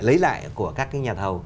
lấy lại của các nhà thầu